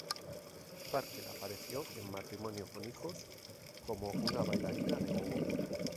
Parker apareció en "Matrimonio con hijos" como una bailarina de gogó.